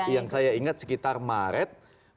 yang saya ingat sekitar maret dua ribu empat belas